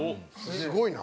すごいな。